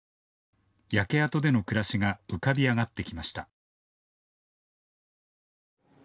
焼け跡での暮らしが浮かび上がってきました。